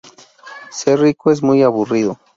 Ser rico es muy aburrido